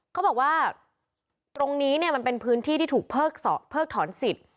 เขาบอกว่าตรงนี้เนี่ยมันเป็นพื้นที่ที่ถูกเพิกถอนสิทธิ์